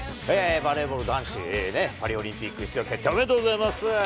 バレーボール男子ね、パリオリンピック出場決定、おめでとうございます。